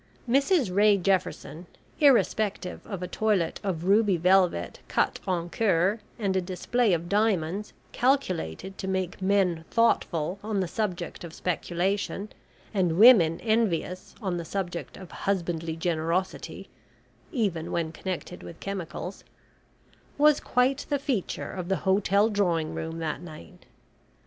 Mrs Ray Jefferson, irrespective of a toilet of ruby velvet cut en coeur, and a display of diamonds calculated to make men thoughtful on the subject of speculation, and women envious on the subject of husbandly generosity (even when connected with Chemicals), was quite the feature of the Hotel drawing room that night.